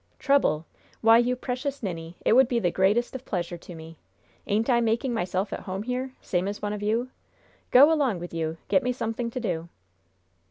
"Trouble! Why, you precious ninny, it would be the greatest of pleasure to me. Ain't I making myself at home here? Same as one of you? Go along with you! Get me something to do!"